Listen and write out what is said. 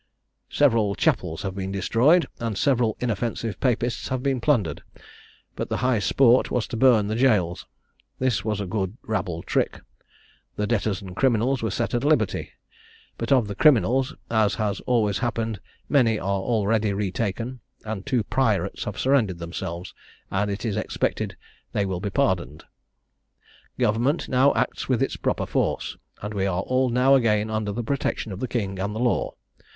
"Several chapels have been destroyed, and several inoffensive Papists have been plundered: but the high sport was to burn the gaols. This was a good rabble trick. The debtors and the criminals were set at liberty; but of the criminals, as has always happened, many are already retaken; and two pirates have surrendered themselves, and it is expected they will be pardoned. "Government now acts with its proper force; and we are all now again under the protection of the king and the law.